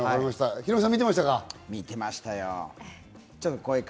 ヒロミさん、見てましたか？